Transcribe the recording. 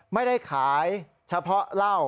ไม่ได้ขายเฉพาะเหล้า